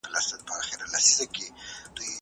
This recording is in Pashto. خو چي وګورم څلور پښې مي نازکي